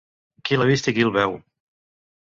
Qui l'ha vist i qui el veu!